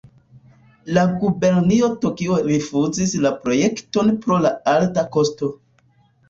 La gubernio Tokio rifuzis la projekton pro la alta kosto.